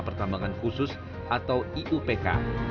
pertambangan khusus atau iupk